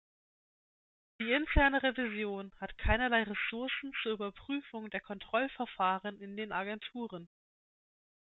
Die Interne Revision hat keinerlei Ressourcen zur Überprüfung der Kontrollverfahren in den Agenturen.